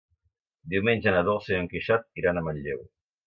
Diumenge na Dolça i en Quixot iran a Manlleu.